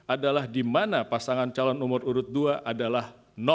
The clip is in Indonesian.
adalah di mana pasangan calon nomor urut dua adalah